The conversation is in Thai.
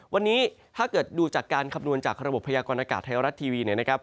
วันนี้ถ้าเกิดดูจากการคำนวณจากระบบพยากรณากาศไทยรัฐทีวีเนี่ยนะครับ